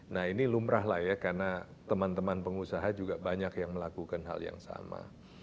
nah ini lumrah lah ya karena teman teman pengusaha juga banyak yang melakukan hal yang sama